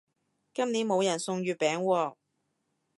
今年冇人送月餅喎